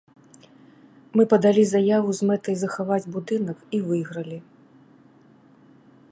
Мы падалі заяву з мэтай захаваць будынак, і выйгралі.